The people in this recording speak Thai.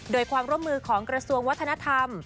โดยความร่วมมือของกระทรวงวัฒนธรรม